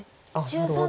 なるほど。